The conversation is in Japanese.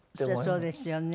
そりゃそうですよね。